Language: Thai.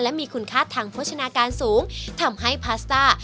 และมีคุณค่าทางโภชนาการสูงทำให้พาสต้า